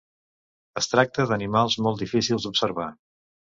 Es tracta d'animals molt difícils d'observar.